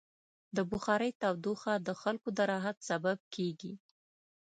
د بخارۍ تودوخه د خلکو د راحت سبب کېږي.